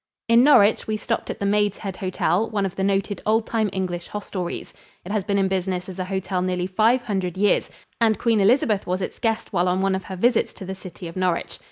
In Norwich we stopped at the Maid's Head Hotel, one of the noted old time English hostelries. It has been in business as a hotel nearly five hundred years and Queen Elizabeth was its guest while on one of her visits to the city of Norwich.